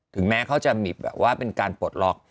แม้เขาจะมีแบบว่าเป็นการปลดล็อก